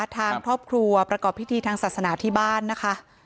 ทางครอบครัวประกอบพิธีทางศาสนาที่บ้านนะคะ